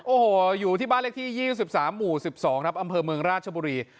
โอ้โหอยู่ที่บ้านเลขที่๒๓หมู่๑๒ครับอำเภอเมืองราชบุรี